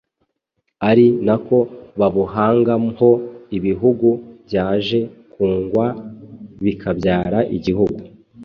ari nako babuhangaho ibihugu byaje kungwa bikabyara igihugu